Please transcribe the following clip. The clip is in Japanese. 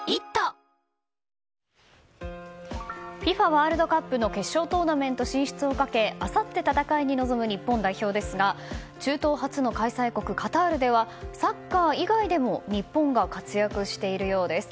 ワールドカップの決勝トーナメント進出をかけあさって戦いに臨む日本代表ですが中東初の開催国、カタールではサッカー以外でも日本が活躍しているようです。